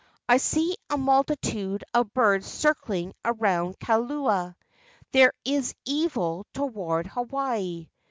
I see a multitude of birds circling around Kaula. There is evil toward Hawaii."